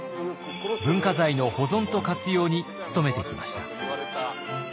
文化財の保存と活用に努めてきました。